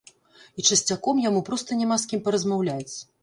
І часцяком яму проста няма з кім паразмаўляць.